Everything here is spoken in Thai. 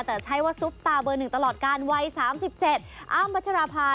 แต่ใช่ว่าซุปตาเบอร์หนึ่งตลอดกันวัย๓๗อ้ามบัจจราภา